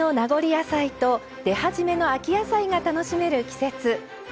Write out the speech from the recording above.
野菜と出始めの秋野菜が楽しめる季節。